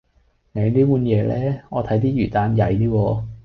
你呢碗嘢呢，我睇啲魚蛋曳啲喎